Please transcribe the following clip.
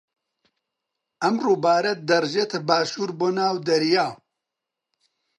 ئەم ڕووبارە دەڕژێتە باشوور بۆ ناو دەریا.